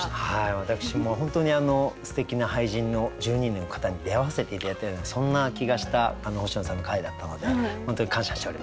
私も本当にすてきな俳人の１２人の方に出会わせて頂いたようなそんな気がした星野さんの回だったので本当に感謝しております。